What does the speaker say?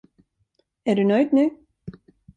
Är du nöjd nu?